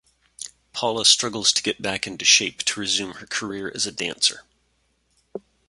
Paula struggles to get back into shape to resume her career as a dancer.